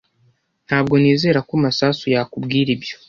Ntabwo nizera ko Masasu yakubwira ibyo.